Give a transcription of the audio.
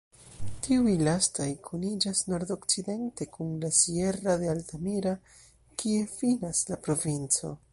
Tiuj lastaj kuniĝas nordokcidente kun la "sierra" de Altamira, kie finas la provinco.